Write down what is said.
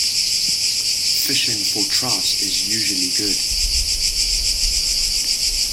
Fishing for trout is usually good.